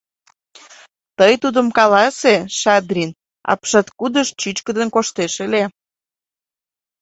Тый тудым каласе, Шадрин апшаткудыш чӱчкыдын коштеш ыле?